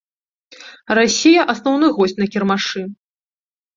Расія асноўны госць на кірмашы.